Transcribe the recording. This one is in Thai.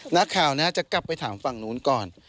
นักข่าวจะกลับไปถามฝั่งนู้นก่อน